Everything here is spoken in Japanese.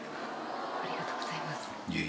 「ありがとうございます」